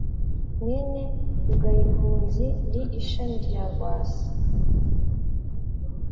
Mwene Rugayimpunzi ndi ishami rya rwasa